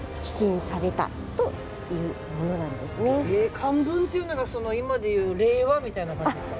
寛文っていうのが今でいう令和みたいなことですか。